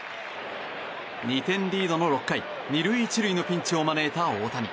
２点リードの６回２塁１塁のピンチを招いた大谷。